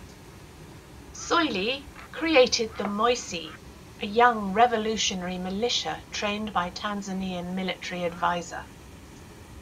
Soilih created the 'Moissy', a young revolutionary militia trained by Tanzanian military adviser.